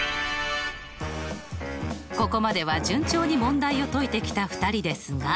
ここまでは順調に問題を解いてきた２人ですが。